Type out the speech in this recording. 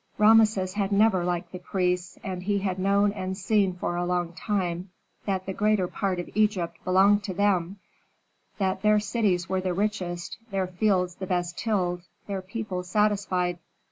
Rameses had never liked the priests, and he had known and seen for a long time that the greater part of Egypt belonged to them, that their cities were the richest, their fields the best tilled, their people satisfied.